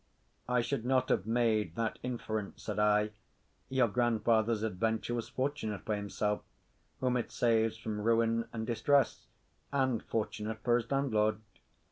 "I should not have made that inference," said I. "Your grandfather's adventure was fortunate for himself, whom it saves from ruin and distress; and fortunate for his landlord."